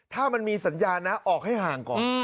ถ้ามันมีสัญญาณนะออกให้ห่างก่อน